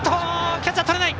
キャッチャー、とれない。